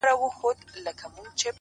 ما او تا د وخت له ښايستو سره راوتي يـو ـ